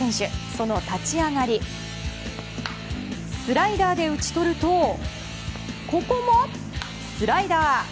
その立ち上がりはスライダーで打ち取るとここもスライダー。